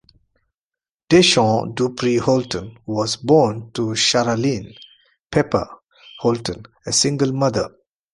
DeShaun Dupree Holton was born to Sharallene "Pepper" Holton, a single mother.